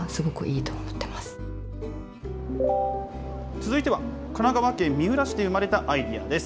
続いては神奈川県三浦市で生まれたアイデアです。